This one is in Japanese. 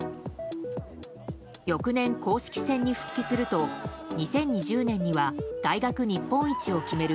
翌年、公式戦に復帰すると２０２０年には大学日本一を決める